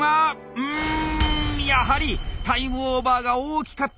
うんやはりタイムオーバーが大きかった！